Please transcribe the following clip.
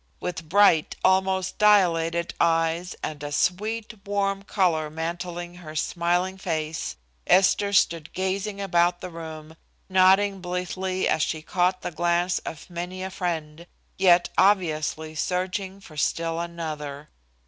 With bright, almost dilated, eyes, and a sweet, warm color mantling her smiling face, Esther stood gazing about the room, nodding blithely as she caught the glance of many a friend, yet obviously searching for still another.